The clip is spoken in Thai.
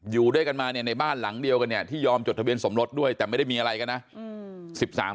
อยู่ด้วยกันมาเนี่ยในบ้านหลังเดียวกันเนี่ยที่ยอมจดทะเบียนสมรสด้วยแต่ไม่ได้มีอะไรกันนะ